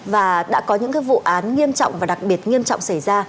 và đã có những vụ án nghiêm trọng và đặc biệt nghiêm trọng xảy ra